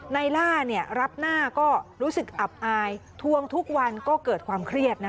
ในล่ารับหน้าก็รู้สึกอับอายทวงทุกวันก็เกิดความเครียด